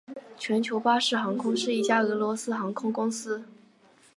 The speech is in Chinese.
全球巴士航空是一家俄罗斯航空公司。